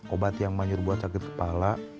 obat yang manyur buat sakit kepala